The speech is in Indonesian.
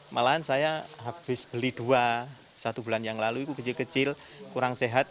malahan saya habis beli dua satu bulan yang lalu itu kecil kecil kurang sehat